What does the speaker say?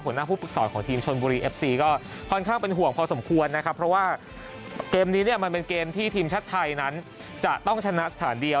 หัวหน้าผู้ฝึกสอนของทีมชนบุรีเอฟซีก็ค่อนข้างเป็นห่วงพอสมควรนะครับเพราะว่าเกมนี้เนี่ยมันเป็นเกมที่ทีมชาติไทยนั้นจะต้องชนะสถานเดียว